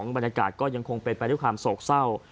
บรรยากาศก็ยังคงเป็นไปด้วยความโศกเศร้า